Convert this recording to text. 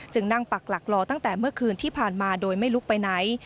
นั่งปักหลักรอตั้งแต่เมื่อคืนที่ผ่านมาโดยไม่ลุกไปไหน